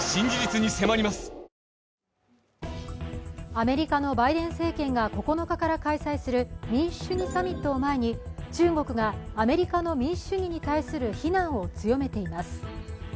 アメリカのバイデン政権が９日から開催する民主主義サミットを前に中国がアメリカの民主主義に対する非難を強めています。